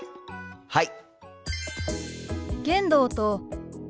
はい！